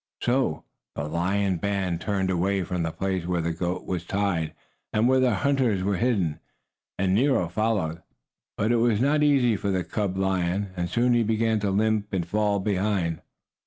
So the lion band turned away from the place where the goat was tied and where the hunters were hidden, and Nero followed. But it was not easy for the cub lion, and soon he began to limp and fall behind.